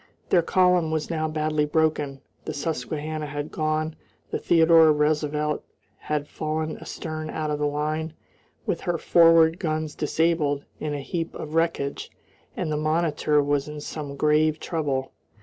Their column was now badly broken, the Susquehanna had gone, the Theodore Roosevelt had fallen astern out of the line, with her forward guns disabled, in a heap of wreckage, and the Monitor was in some grave trouble.